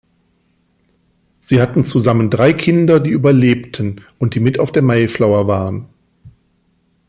Sie hatten zusammen drei Kinder, die überlebten und die mit auf der Mayflower waren.